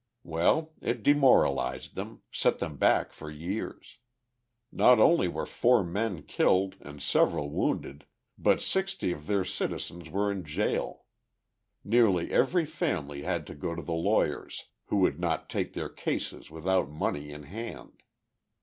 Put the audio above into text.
Well, it demoralised them, set them back for years. Not only were four men killed and several wounded, but sixty of their citizens were in jail. Nearly every family had to go to the lawyers, who would not take their cases without money in hand.